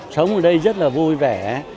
sống ở đây rất là vui vẻ